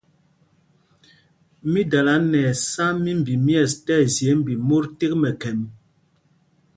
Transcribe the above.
Mi dala nɛ ɛsá mímbi myɛ̂ɛs tí ɛzye mbi mot tek mɛkhɛm.